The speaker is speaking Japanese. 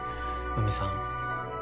海さん